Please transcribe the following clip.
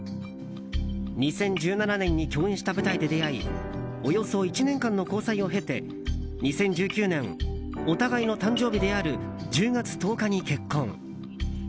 ２０１７年に共演した舞台で出会いおよそ１年間の交際を経て２０１９年お互いの誕生日である１０月１０日に結婚。